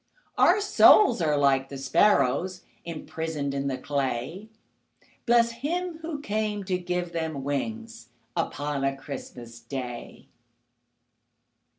Our souls are like the sparrows Imprisoned in the clay, Bless Him who came to give them wings Upon a Christmas Day!